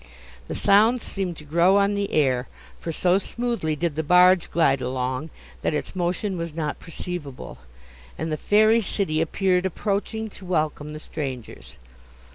The sounds seemed to grow on the air; for so smoothly did the barge glide along, that its motion was not perceivable, and the fairy city appeared approaching to welcome the strangers.